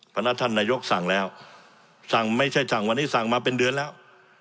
เพราะฉะนั้นท่านนายกสั่งแล้วสั่งไม่ใช่สั่งวันนี้สั่งมาเป็นเดือนแล้ว